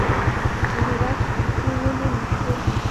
د هرات سپي ولې مشهور دي؟